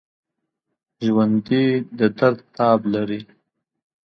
ژوندي د درد تاب لري